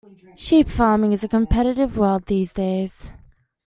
Sheep farming is a competitive world these days.